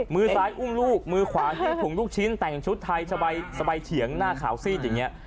มือซ้ายอุ้มลูกมือขวาถือถุงลูกชิ้นแต่งชุดไทยสบายเฉียงหน้าขาวซีดอย่างนี้